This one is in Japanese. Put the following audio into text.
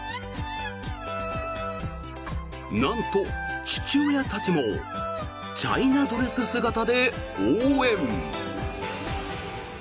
なんと父親たちもチャイナドレス姿で応援。